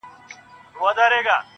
خدایه معلوم یمه، منافقت نه کوم.